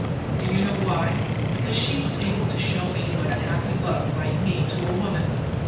Do you know why? Because she was able to show me what a happy love might mean to a woman.